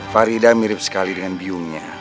farida mirip sekali dengan biungnya